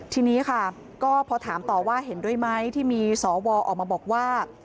ทีนี้ค่ะก็พอถามต่อว่าเห็นด้วยไหมที่มีสวออกมาบอกว่า